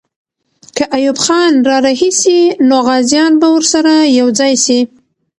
که ایوب خان را رهي سي، نو غازیان به ورسره یو ځای سي.